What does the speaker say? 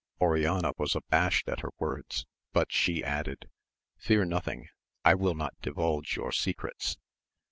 Oriana was abashed at her 'words: but she added, Fear nothing, I will not divulge your secrets.